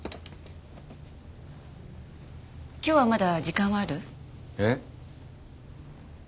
今日はまだ時間はある？え？